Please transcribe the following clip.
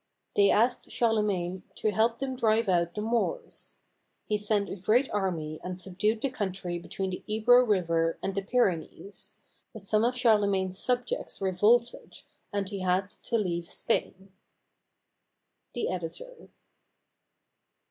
They asked Charlemagne to help them drive out the Moors. He sent a great army and subdued the country between the Ebro River and the Pyrenees, but some of Charlemagne's subjects revolted, and he had to leave Spain. The Editor.